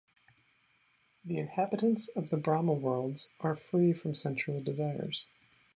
The inhabitants of the Brahma worlds are free from sensual desires.